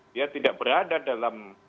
dia tidak berada dalam